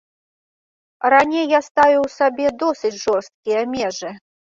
Раней я ставіў сабе досыць жорсткія межы.